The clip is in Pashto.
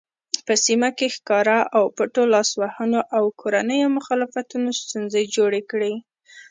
په سیمه کې ښکاره او پټو لاسوهنو او کورنیو مخالفتونو ستونزې جوړې کړې.